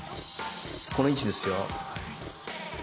この位置ですよ。